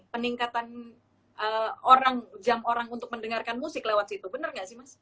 peningkatan jam orang untuk mendengarkan musik lewat situ